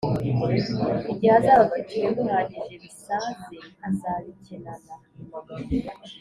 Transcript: igihe azaba afite ibimuhagije bisāze azabikenana